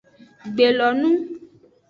Gbelonu.